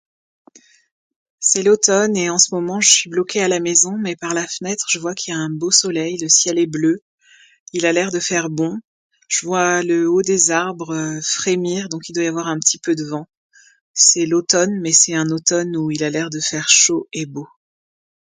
C'est l'automne et en ce moment je suis bloquée à la maison mais par la fenêtre je vois qu'il y a un beau soleil, le ciel est bleu. Il a l'air de faire bon. Je vois le haut des arbres frémir donc il doit y avoir un petit peu de vent. C'est l'automne mais un automne où il à l'air de faire chaud et beau.